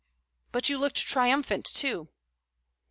"But you looked triumphant, too."